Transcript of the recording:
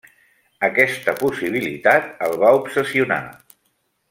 Aquesta possibilitat el va obsessionar.